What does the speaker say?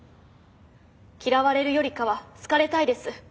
嫌われるよりかは好かれたいです。